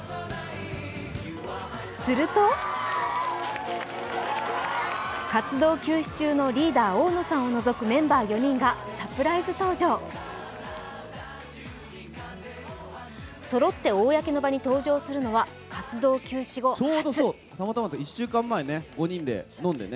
すると活動休止中のリーダー・大野さんを除くメンバー４人がそろって公のばに登場するのは活動休止後、初。